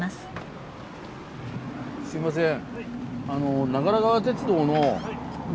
すいません。